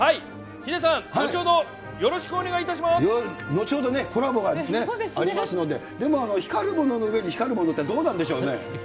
ヒデさん、後ほどよろしくお後ほどね、コラボがね、ありますので、でも光るものの上に光るものっていうのはどうなんでしょうね。